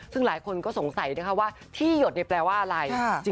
ซึ่งหลายคนก็สงสัยนะคะว่าที่หยดเนี่ยแปลว่าอะไร